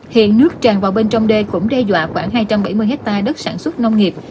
hiện nước tràn vào bên trong đê cũng đe dọa khoảng hai trăm bảy mươi hectare đất sản xuất nông nghiệp